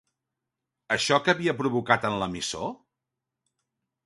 Això que havia provocat en l'emissor?